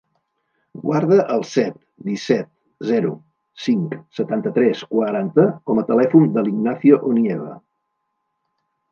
Guarda el set, disset, zero, cinc, setanta-tres, quaranta com a telèfon de l'Ignacio Onieva.